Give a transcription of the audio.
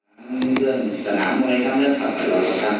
ในซองทั้งเรามนุษย์ไทยก็ไม่ได้ได้ภูมิให้เราเลย